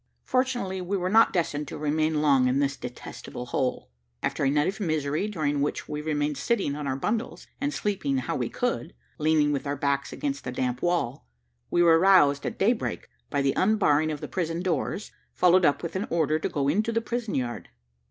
Fortunately we were not destined to remain long in this detestable hole. After a night of misery, during which we remained sitting on our bundles, and sleeping how we could, leaning with our backs against the damp wall, we were roused at daybreak by the unbarring of the prison doors, followed up with an order to go into the prison yard.